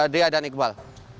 dia dan iqbal